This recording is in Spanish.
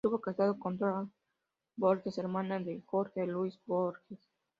Estuvo casado con Norah Borges, hermana de Jorge Luis Borges.